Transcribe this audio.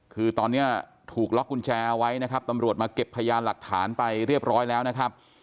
คือตอนนี้ถูกล็อกกุญแจเอาไว้นะครับตำรวจมาเก็บพยานหลักฐานไปเรียบร้อยแล้วนะครับ